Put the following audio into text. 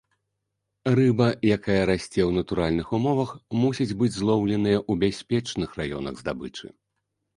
Рыба, якая расце ў натуральных умовах, мусіць быць злоўленая ў бяспечных раёнах здабычы.